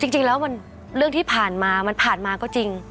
จริงแล้วเรื่องที่ผ่านมามันผ่านมาก็จริง